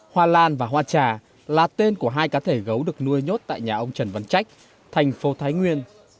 hoa lan và hoa trà là tên của hai cá thể gấu được nuôi nhốt tại nhà ông trần văn trách thành phố thái nguyên